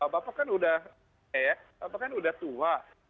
bapak kan sudah tua